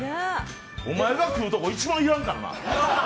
お前が食うところ、一番要らんからな。